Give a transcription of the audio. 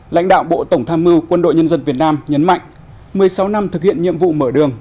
lãnh đạo bộ tổng tham mưu quân đội nhân dân việt nam nhấn mạnh một mươi sáu năm thực hiện nhiệm vụ mở đường